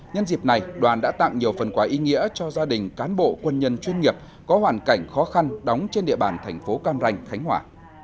nhân dịp này đoàn đã tặng nhiều phần quà ý nghĩa cho gia đình cán bộ quân nhân chuyên nghiệp có hoàn cảnh khó khăn đóng trên địa bàn thành phố cam ranh khánh hòa